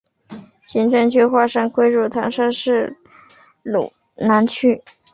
行政区划上归入唐山市路南区。